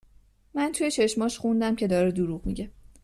من توی چشماش خوندم که داره دروغ میگه